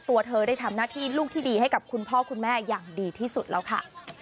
ตัวเธอได้ทำหน้าที่ลูกที่ดีให้กับคุณพ่อคุณแม่อย่างดีที่สุดแล้วค่ะ